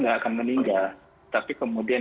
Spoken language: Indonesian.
tidak akan meninggal tapi kemudian